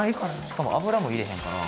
しかも油も入れへんから。